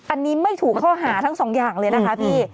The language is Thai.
อันนี้ไม่ถูกข้อหาทั้งสองอย่างเลยนะคะพี่